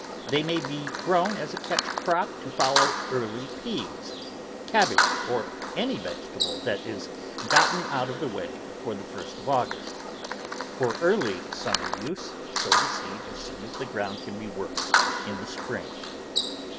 They may be grown as a catch crop to fol low early peas, cabbage, or any vegetable that is gotten out of the way before the first of August. For early summer use, sow the seed as soon as the ground can be worked in spring.